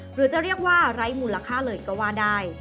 หรือจะเรียกว่าไร้มูลค่าเลยก็ว่าได้